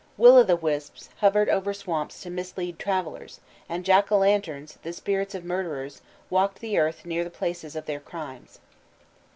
Will o' the wisps hovered over swamps to mislead travellers, and jack o' lanterns, the spirits of murderers, walked the earth near the places of their crimes.